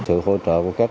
sự hỗ trợ của các